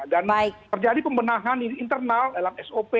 dan terjadi pembenahan internal dalam sop